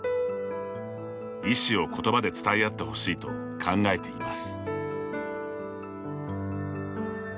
意思を言葉で伝え合ってほしいと考えています。